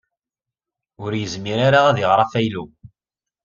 Ur yezmir ara ad iɣer afaylu.